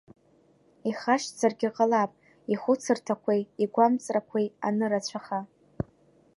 Ихашҭзаргьы ҟалап, ихәыцырҭақәеи игәамҵрақәеи анырацәаха.